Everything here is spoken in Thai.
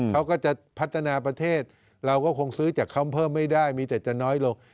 เขาก็จะพัฒนาประเทศเราก็คงซื้อจากเขาเพิ่มไม่ได้มีแต่จะน้อยลง